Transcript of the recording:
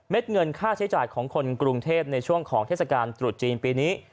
เงินค่าใช้จ่ายของคนกรุงเทพในช่วงของเทศกาลตรุษจีนปีนี้